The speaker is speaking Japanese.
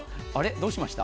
どうしました？